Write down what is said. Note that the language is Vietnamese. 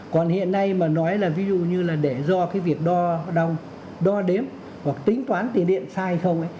còn hiện nay mà nói là ví dụ như là để do cái việc đo đồng đo đếm hoặc tính toán tiền điện sai hay không